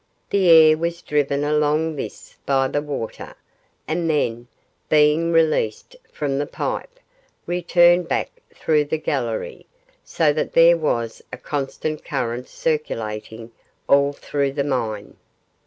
The air was driven along this by the water, and then, being released from the pipe, returned back through the gallery, so that there was a constant current circulating all through the mine.